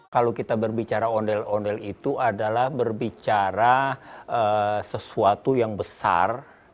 kalau kita berbicara ondel ondel itu adalah berbicara sesuatu yang besar